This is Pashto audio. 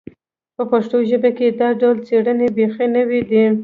په پښتو ژبه کې دا ډول څېړنې بیخي نوې دي